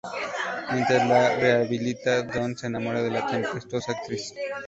Mientras la rehabilita, Don se enamora de la tempestuosa actriz.